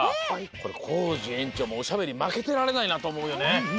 これコージえんちょうもおしゃべりまけてられないなとおもうよね。